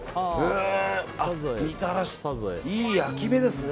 みたらし、いい焼き目ですね。